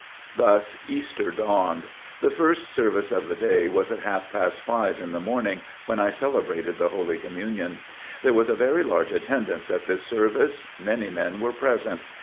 Thus Easter dawned. The first service of the day was at half past five in the morning when I celebrated the Holy Communion. There was a very large attendance at this service. Many men were present.